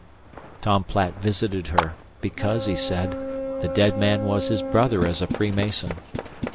Tom Platt visited her, because, he said, the dead man was his brother as a Freemason.